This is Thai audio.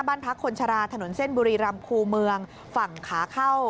บ้านพักคนชราถนนเส้นบุรีรำคูเมืองฝั่งขาเข้า